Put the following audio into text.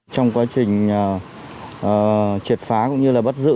trong quá trình triệt phá cũng như là bắt giữ